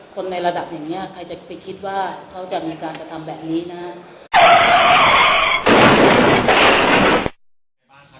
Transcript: คนในระดับอย่างนี้ใครจะไปคิดว่าเขาจะมีการกระทำแบบนี้นะครับ